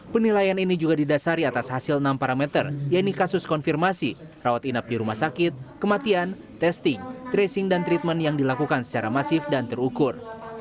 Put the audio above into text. penilaian ini juga didasari atas hasil enam parameter yaitu kasus konfirmasi rawat inap di rumah sakit kematian testing tracing dan treatment yang dilakukan secara masif dan terukur